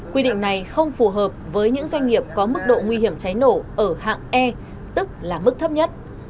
quy định này không phù hợp với những doanh nghiệp có mức độ nguy hiểm cháy nổ ở hạng e tức là mức thấp nhất